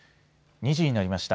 ２時になりました。